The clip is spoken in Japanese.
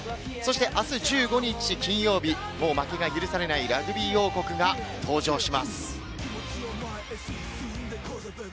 そしてあす１５日、金曜日、もう負けが許されないラグビー王国が登場します。